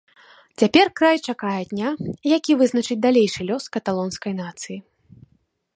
Цяпер край чакае дня, які вызначыць далейшы лёс каталонскай нацыі.